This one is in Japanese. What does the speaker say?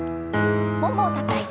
ももをたたいて。